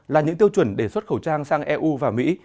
là những tiêu chuẩn để xuất khẩu trang sang eu và mỹ